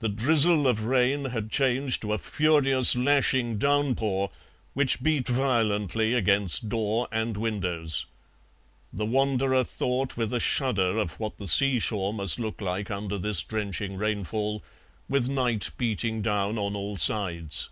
The drizzle of rain had changed to a furious lashing downpour, which beat violently against door and windows. The wanderer thought with a shudder of what the sea shore must look like under this drenching rainfall, with night beating down on all sides.